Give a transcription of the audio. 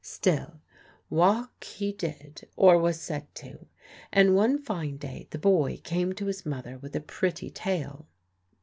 Still, "walk" he did, or was said to; and one fine day the boy came to his mother with a pretty tale.